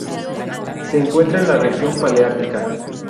Se encuentra en la región Paleártica.